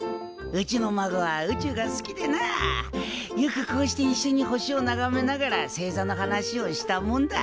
うちの孫は宇宙が好きでなあよくこうしていっしょに星をながめながら星座の話をしたもんだ。